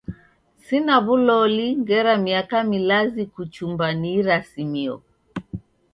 Sine w'uloli ngera miaka milazi kuchumba ni irasimio.